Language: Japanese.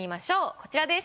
こちらです。